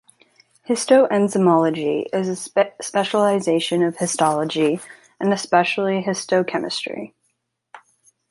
Histoenzymology is a specialization of histology and especially histochemistry.